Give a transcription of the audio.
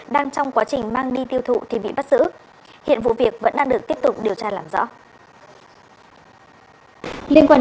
đang trong quá trình mang đi tiêu thụ thì bị bắt giữ